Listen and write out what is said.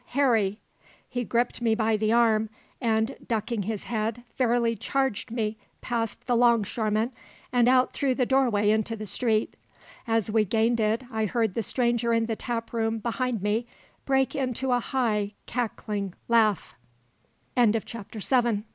Harry!" He gripped me by the arm, and, ducking his head, fairly charged me past the 'longshoremen and out through the doorway into the street. As we gained it I heard the stranger in the taproom behind me break into a high, cackling laugh. CHAPTER VIII. THE HUNTED AND THE HUNTE